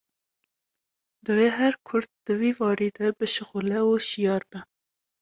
Divê her Kurd di vî warî de bişixule û şiyar be